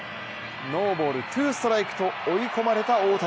ノーボール・ツーストライクと追い込まれた大谷。